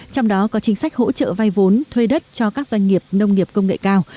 trong đó có chính sách hỗ trợ vay vốn thuê đất cho các doanh nghiệp nông nghiệp công nghệ cao